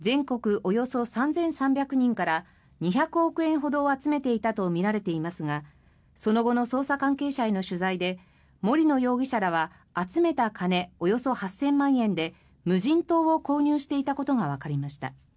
およそ３３００人から２００億円ほどを集めていたとみられていますがその後の捜査関係者への取材で森野容疑者らは集めた金およそ８０００万円で無人島を購入していたことがわかりました。